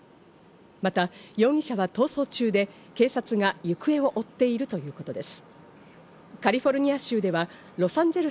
また容疑者は逃走中で警察が行方を追っているということです。